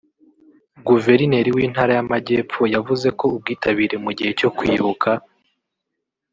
Guverineri w’intara y’Amajyepfo yavuze ko ubwitabire mu gihe cyo kwibuka